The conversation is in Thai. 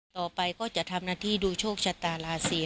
ต่อไปก็จะทำหน้าที่ดูโชคชะตาราศี